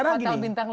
hotel bintang lima